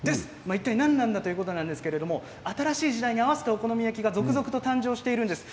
いったい何なんだということなんですけれども新しい時代に合わせたお好み焼きが続々と誕生しているんです。